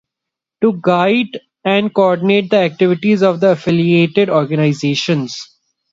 To guide and co-ordinate the activities of the affiliated organisations.